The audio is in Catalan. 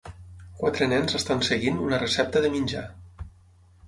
Quatre nens estan seguint una recepta de menjar.